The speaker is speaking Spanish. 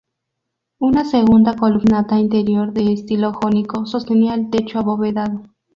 Una segunda columnata interior de estilo jónico, sostenía el techo abovedado.